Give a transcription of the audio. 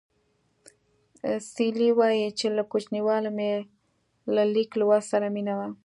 سیلۍ وايي چې له کوچنیوالي مې له لیک لوست سره مینه وه